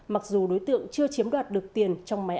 mặc dù đối tượng chưa chiếm đoạt được tiền